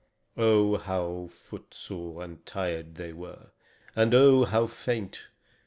Oh, how footsore and tired they were! And oh, how faint!